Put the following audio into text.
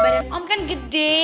nih badan om kan gede